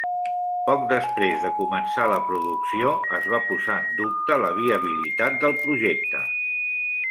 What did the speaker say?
Poc després de començar la producció es va posar en dubte la viabilitat del projecte.